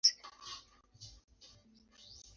Hapo zamani milima ilikuwa mpaka kati ya Mongolia na Urusi.